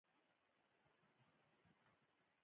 که ته رښتیا ووایې هېڅکله به ضرورت ونه لرې.